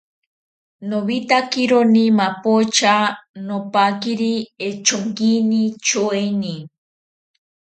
Nowitakironi mapocha, nopaquiri echonkini tyoeni